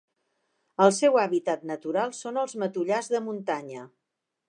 El seu hàbitat natural són els matollars de muntanya.